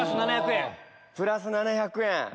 プラス７００円。